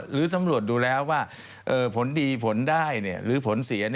หรือสำรวจดูแล้วว่าผลดีผลได้หรือผลเสีย